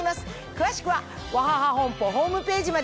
詳しくはワハハ本舗ホームページまで。